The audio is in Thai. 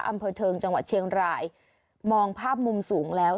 อำเภอเทิงจังหวัดเชียงรายมองภาพมุมสูงแล้ว